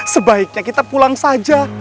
sebaiknya kita pulang saja